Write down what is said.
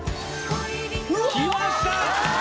きました！